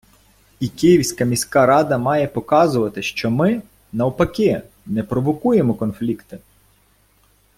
І Київська міська рада має показувати, що ми, навпаки, не провокуємо конфлікти.